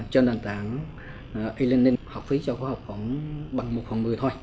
trên đàn tảng e learning học phí cho khoa học khoảng một phần một mươi thôi